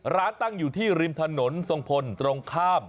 ร้านตั้งอยู่ที่ริมถนนทรงพลตรงข้าม